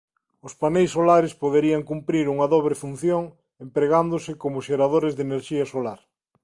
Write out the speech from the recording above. Os paneis solares poderían cumprir unha dobre función empregándose como xeradores de enerxía solar.